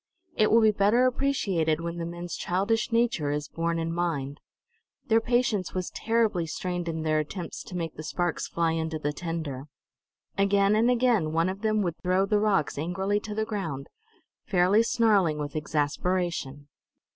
It will be better appreciated when the men's childish nature is borne in mind. Their patience was terribly strained in their attempts to make the sparks fly into the tinder. Again and again one of them would throw the rocks angrily to the ground, fairly snarling with exasperation.